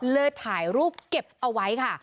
เลยถ่ายรูปเก็บเอาไว้ค่ะ